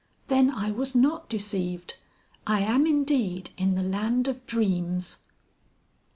Then I was not deceived. I am indeed in the Land of Dreams!"